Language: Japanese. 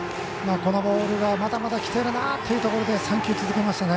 このボールはまだまだきているなということで３球、続けましたね。